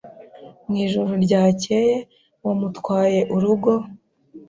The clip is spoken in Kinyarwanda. Mwijoro ryakeye wamutwaye urugo?